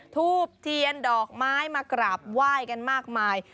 ทูบเทียนดอกไม้มากราบไหว้กันมากมาย